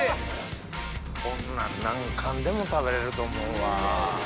こんなん何貫でも食べれると思うわ。